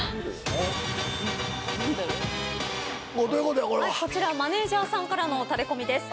こちらマネジャーさんからのタレコミです。